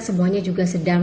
semuanya juga sedang